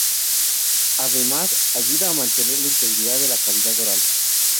Además, ayuda a mantener la integridad de la cavidad oral.